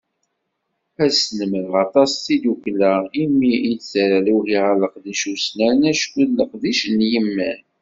Ad snemreɣ aṭas tiddukkla imi i d-terra lewhi ɣer leqdic ussnan acku d leqdic n yimal.